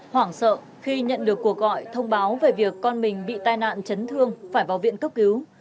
hoảng sợ khi nhận được cuộc gọi thông báo về việc con mình bị tai nạn chấn thương phải vào viện cấp cứu